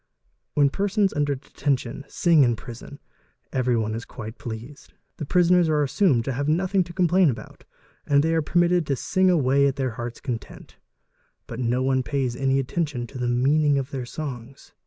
| When persons under detention sing in prison, everyone is . a | COMMUNICATION IN PRISON 347 pleased: the prisoners are assumed to have nothing to complain about and they are permitted to sing away to their hearts' content; but no one _ pays any attention to the meaning of their songs.